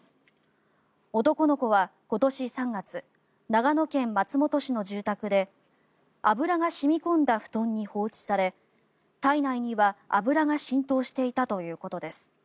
男の子は今年３月長野県松本市の住宅で油が染み込んだ布団に放置され体内には油が浸透していたということです。